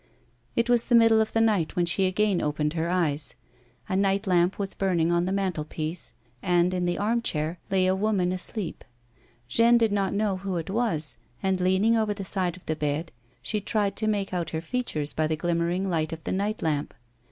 It was the middle of the night when she again opened her eyes. A night lamp was burning on the mantelpiece, and, in the arm chair, lay a woman asleep. Jeanne did not know who it was, and, leaning over the side of the bed, she tried to make out her features by the glimmering light of the night lamp.